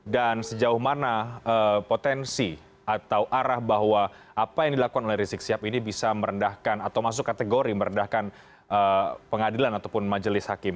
dan sejauh mana potensi atau arah bahwa apa yang dilakukan oleh rizik sihab ini bisa meredahkan atau masuk kategori meredahkan pengadilan ataupun majelis hakim